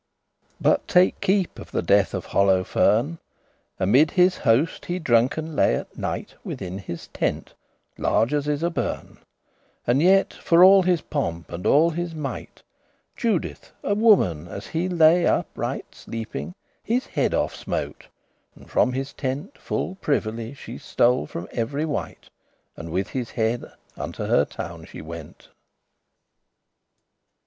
But take keep* of the death of Holofern; *notice Amid his host he drunken lay at night Within his tente, large as is a bern;* *barn And yet, for all his pomp and all his might, Judith, a woman, as he lay upright Sleeping, his head off smote, and from his tent Full privily she stole from every wight, And with his head unto her town she went.